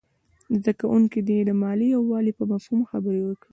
زده کوونکي دې د ملي یووالي په مفهوم خبرې وکړي.